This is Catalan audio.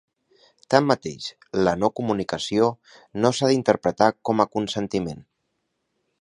Tanmateix, la no comunicació no s'ha d'interpretar com a consentiment.